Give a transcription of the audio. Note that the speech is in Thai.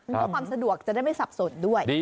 เพื่อความสะดวกจะได้ไม่สับสนด้วย